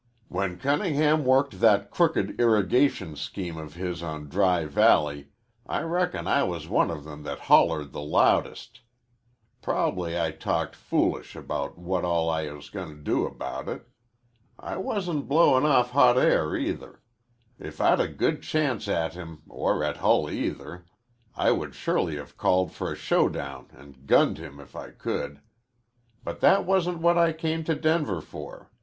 "When Cunningham worked that crooked irrigation scheme of his on Dry Valley, I reckon I was one of them that hollered the loudest. Prob'ly I talked foolish about what all I was gonna do about it. I wasn't blowin' off hot air either. If I'd got a good chance at him, or at Hull either, I would surely have called for a showdown an' gunned him if I could. But that wasn't what I came to Denver for.